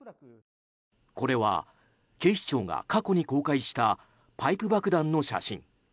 これは警視庁が過去に公開したパイプ爆弾の写真。